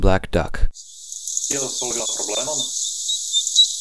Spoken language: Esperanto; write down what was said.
Kiel solvi la problemon?